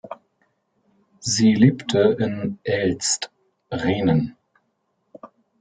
Sie lebte in Elst, Rhenen.